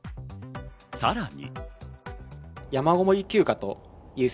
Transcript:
さらに。